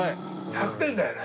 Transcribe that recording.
１００点だよね。